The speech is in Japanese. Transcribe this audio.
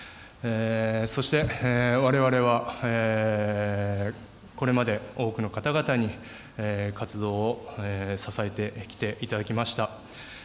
そして、われわれはこれまで多くの方々に活動を支えてきていただきました。